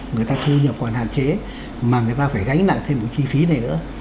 người ta thu nhập còn hạn chế mà người ta phải gánh nặng thêm một chi phí này nữa